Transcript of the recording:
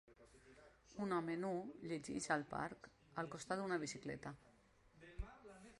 Un home nu llegeix al parc al costat d'una bicicleta.